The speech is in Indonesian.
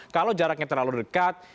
kalau jaraknya terlalu dekat